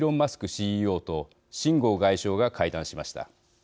ＣＥＯと秦剛外相が会談しました。